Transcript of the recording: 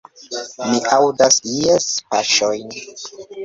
Mi aŭdas ies paŝojn!